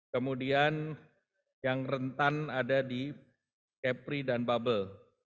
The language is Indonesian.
kemudian yang rentan ada di kepri dan bubble